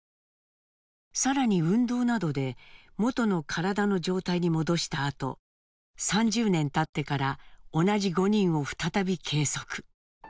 更に運動などで元の体の状態に戻したあと３０年たってから同じ５人を再び計測。